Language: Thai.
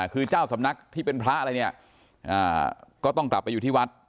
คือเจ้าสำนักที่เป็นพระอะไรเนี่ยก็ต้องกลับไปอยู่ที่วัด